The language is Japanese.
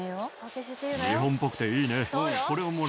日本っぽくていいね。